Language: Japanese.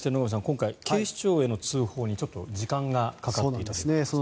今回、警視庁への通報に時間がかかっていたということですね。